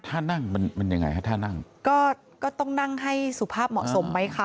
ท่านั่งมันมันยังไงฮะท่านั่งก็ก็ต้องนั่งให้สุภาพเหมาะสมไหมคะ